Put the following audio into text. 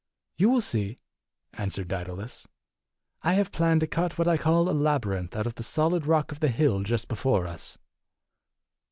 "You will see," answered Daedalus. "I have planned to cut what I call a labyrinth out of the solid rock of the hill just before us."